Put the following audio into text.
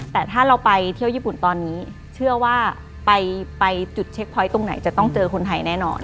ไม่เจอคนไทยแน่นอน